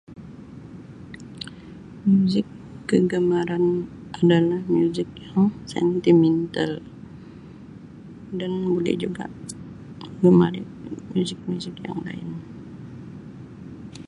Muzik kegemaran adalah muzik yang sentimental dan buli juga menggemari muzik-muzik yang lain.